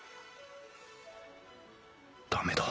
駄目だ。